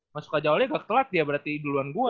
masuk ke rajawali gak ketelat ya berarti duluan gue nih